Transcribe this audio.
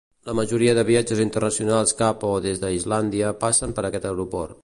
La majoria dels viatges internacionals cap o des d'Islàndia passen per aquest aeroport.